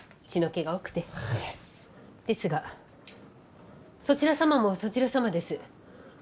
ですがそちら様もそちら様です。